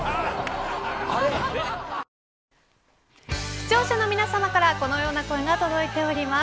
視聴者の皆さまからこのような声が届いております。